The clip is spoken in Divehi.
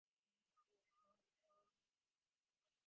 އަށް ބަދަލުއައުމާ ގުޅިގެން